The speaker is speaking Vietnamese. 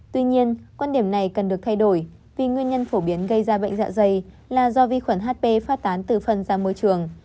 tuy nhiên quan điểm này cần được thay đổi vì nguyên nhân phổ biến gây ra bệnh dạ dày là do vi khuẩn hp phát tán từ phần ra môi trường